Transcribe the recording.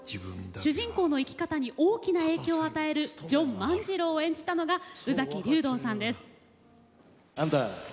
主人公の生き方に大きな影響を与えるジョン万次郎を演じたのが宇崎竜童さんです。